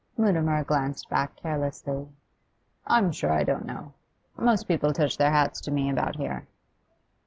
Mutimer glanced back carelessly. 'I'm sure I don't know. Most people touch their hats to me about here.